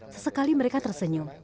sesekali mereka tersenyum